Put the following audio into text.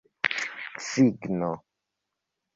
signo